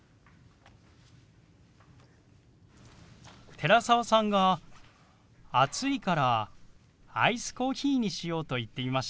寺澤さんが暑いからアイスコーヒーにしようと言っていましたね。